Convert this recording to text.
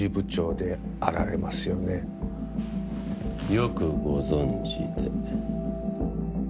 よくご存じで。